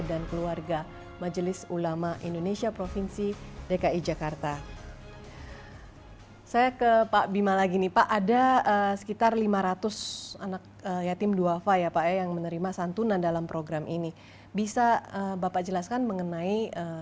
dan bersama kami indonesia forward masih akan kembali sesaat lagi